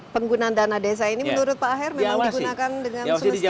penggunaan dana desa ini menurut pak aher memang digunakan dengan semesta